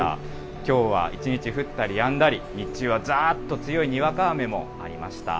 きょうは一日降ったりやんだり、日中はざーっと強いにわか雨もありました。